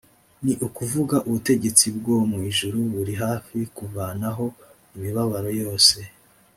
ni ukuvuga ubutegetsi bwo mu ijuru buri hafi kuvanaho imibabaro yose.